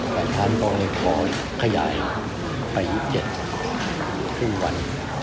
ประธานก็เลยขอขยายไป๒๗ครึ่งวัน